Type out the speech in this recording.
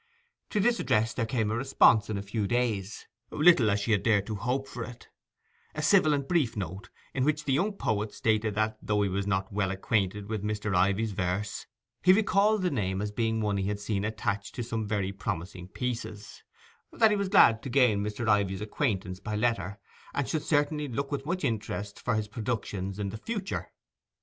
To this address there came a response in a few days, little as she had dared to hope for it—a civil and brief note, in which the young poet stated that, though he was not well acquainted with Mr. Ivy's verse, he recalled the name as being one he had seen attached to some very promising pieces; that he was glad to gain Mr. Ivy's acquaintance by letter, and should certainly look with much interest for his productions in the future.